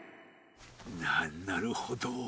ななるほど。